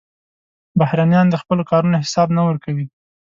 بهرنیان د خپلو کارونو حساب نه ورکوي.